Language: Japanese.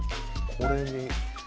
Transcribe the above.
これに。